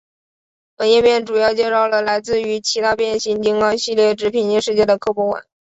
本页面主要介绍了来自于其他变形金刚系列之平行世界的柯博文。